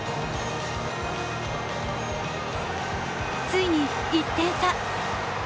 ついに１点差。